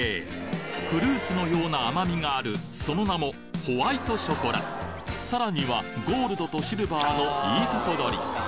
フルーツのような甘みがあるその名もさらにはゴールドとシルバーのいいとこ取り！